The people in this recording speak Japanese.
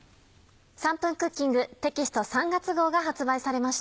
『３分クッキング』テキスト３月号が発売されました。